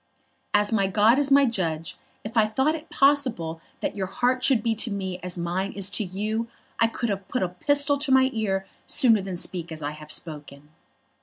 As my God is my judge, if I thought it possible that your heart should be to me as mine is to you, I could have put a pistol to my ear sooner than speak as I have spoken."